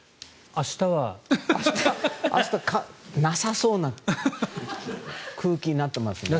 明日はなさそうな空気になっていますね。